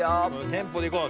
テンポでいこう。